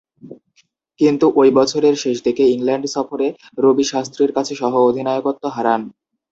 কিন্তু ঐ বছরের শেষদিকে ইংল্যান্ড সফরে রবি শাস্ত্রীর কাছে সহ-অধিনায়কত্ব হারান।